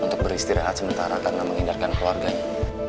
untuk beristirahat sementara karena menghindarkan keluarganya